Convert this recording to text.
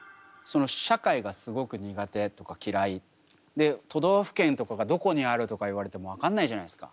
で都道府県とかがどこにある？とか言われても分かんないじゃないですか。